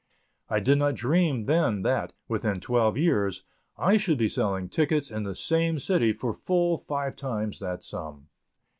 I did not dream then that, within twelve years, I should be selling tickets in the same city for full five times that sum.